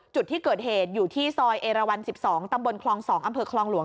จุดที่เกิดเหตุอยู่ที่ซอยเอราวัน๑๒ตำบลคลอง๒อำเภอคลองหลวง